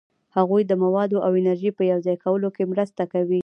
هغوی د موادو او انرژي په یوځای کولو کې مرسته کوي.